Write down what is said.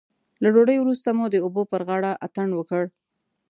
له ډوډۍ وروسته مو د اوبو پر غاړه اتڼ وکړ.